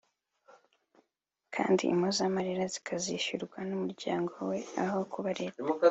kandi impozamaririra zikazishyurwa n’umuryango we aho kuba leta